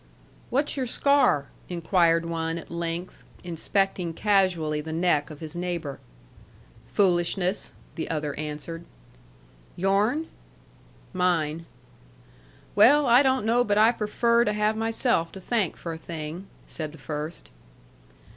"What's your scar?" inquired one at length inspecting casually the neck of his neighbor. "Foolishness," the other answered. "Yourn?" "Mine." "Well, I don't know but I prefer to have myself to thank for a thing," said the first.